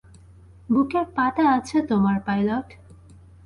বুকের পাটা আছে তোমার, পাইলট।